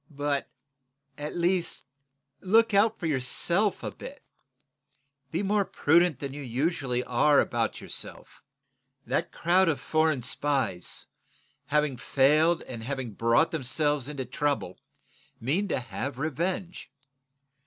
But, at least, look out for yourself a bit. Be more prudent than you usually are about yourself. That crowd of foreign spies, having failed and having brought themselves into trouble, mean to have revenge.